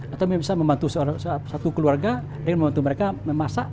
atau bisa membantu satu keluarga dengan membantu mereka memasak